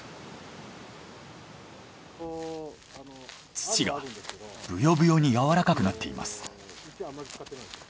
土がぶよぶよに柔らかくなっています。